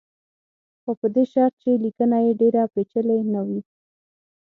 خو په دې شرط چې لیکنه یې ډېره پېچلې نه وي.